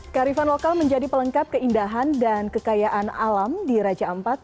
karifan lokal menjadi pelengkap keindahan dan kekayaan alam di raja ampat